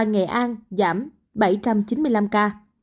ngày an giảm bảy trăm chín mươi năm ca